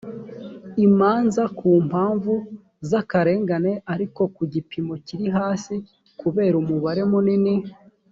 imanza ku mpamvu z akarengane ariko ku gipimo kiri hasi kubera umubare munini